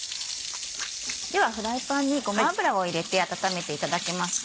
ではフライパンにごま油を入れて温めていただけますか。